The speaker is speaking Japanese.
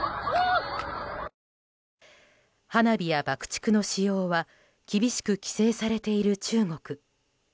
花火や爆竹の使用は厳しく規制されている中国。